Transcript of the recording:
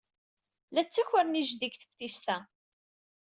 La ttakren ijdi seg teftist-a.